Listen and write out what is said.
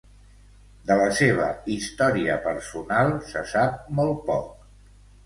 De la seva història personal se sap molt poc.